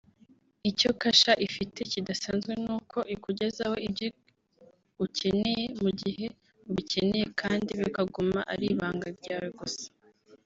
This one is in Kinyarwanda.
Icyo Kasha ifite kidasanzwe ni uko ikugezaho ibyo ukeneye mu gihe ubikeneye kandi bikaguma ari ibanga ryawe gusa